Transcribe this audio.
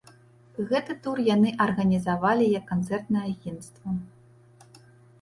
Гэты тур яны арганізавалі як канцэртнае агенцтва.